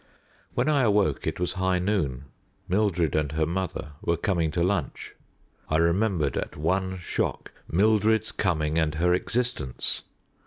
When I awoke it was high noon. Mildred and her mother were coming to lunch. I remembered, at one shock, Mildred's coming and her existence.